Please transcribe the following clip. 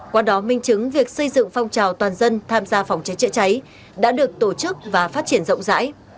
qua đó minh chứng việc xây dựng phong trào toàn dân tham gia phòng cháy chữa cháy đã được tổ chức và phát triển rộng rãi